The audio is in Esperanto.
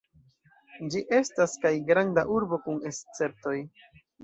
Ĝi estas kaj Granda Urbo kun Esceptoj.